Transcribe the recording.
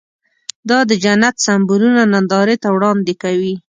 دا د جنت سمبولونه نندارې ته وړاندې کوي.